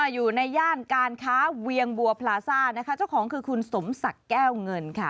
อยู่ในย่านการค้าเวียงบัวพลาซ่านะคะเจ้าของคือคุณสมศักดิ์แก้วเงินค่ะ